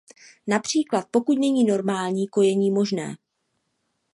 Například pokud není normální kojení možné.